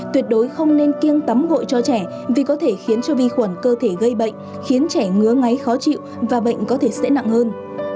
tuyệt đối không nên kiêng tắm gội cho trẻ vì có thể khiến cho vi khuẩn cơ thể gây bệnh khiến trẻ ngứa ngáy khó chịu và bệnh có thể sẽ nặng hơn